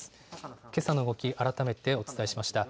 けさの動き、改めてお伝えしました。